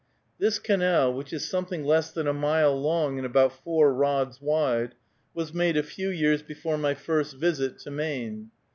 This canal, which is something less than a mile long and about four rods wide, was made a few years before my first visit to Maine.